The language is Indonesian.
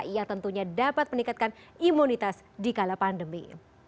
ia tentunya dapat meningkatkan imunitas di kala pandemi